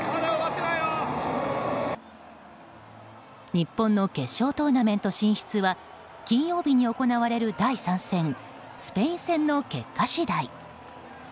日本の決勝トーナメント進出は金曜日に行われる第３戦、スペイン戦の結果次第。